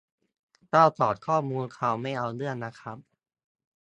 เจ้าของข้อมูลเขาไม่เอาเรื่องนะครับ